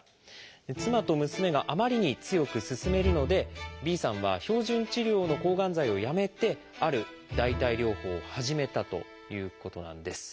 妻と娘があまりに強く勧めるのでＢさんは標準治療の抗がん剤をやめてある代替療法を始めたということなんです。